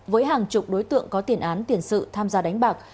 với hàng chục đối tượng có tiền án tiền sự tham gia đánh bạc